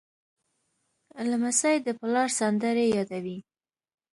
لمسی د پلار سندرې یادوي.